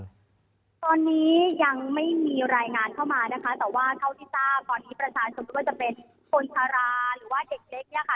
ตอนนี้ยังไม่มีรายงานเข้ามานะคะแต่ว่าเท่าที่ทราบตอนนี้ประชาชนไม่ว่าจะเป็นคนชาราหรือว่าเด็กเล็กเนี่ยค่ะ